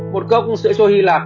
một cốc sữa chua hy lạp